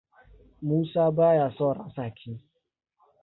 Musa ba ya son rasa ki.